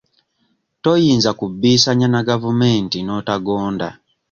Toyinza kubbiisanya na gavumenti n'otagonda.